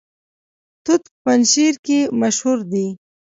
توت په پنجشیر کې مشهور دي